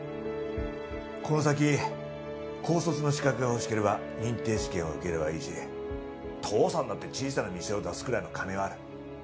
この先高卒の資格が欲しければ認定試験を受ければいいし父さんだって小さな店を出すくらいの金はある。